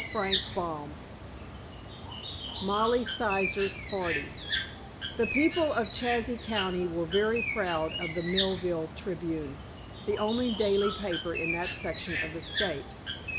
CHAPTER XII MOLLY SIZER'S PARTY The people of Chazy County were very proud of the Millville Tribune, the only daily paper in that section of the state.